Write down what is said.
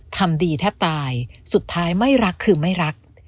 ทำดีแทบตายสุดท้ายไม่รักคือไม่รัก